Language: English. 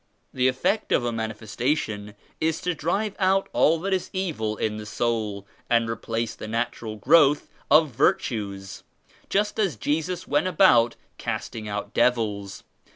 " The effect of a Manifesta tion is to drive out all that is evil in the soul and replace the natural growth of virtues, just as Jesus went about casting out devils.